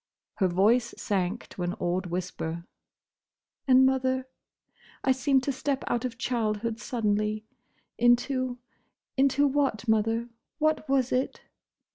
Her voice sank to an awed whisper. "And—Mother!—I seemed to step out of childhood suddenly, into—into what, Mother?—What was it?"